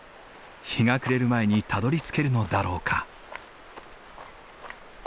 日が暮れる前にたどりつけるのだろうか。